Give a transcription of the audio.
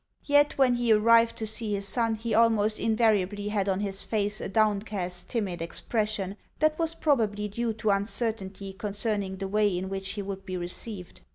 Yet when he arrived to see his son he almost invariably had on his face a downcast, timid expression that was probably due to uncertainty concerning the way in which he would be received.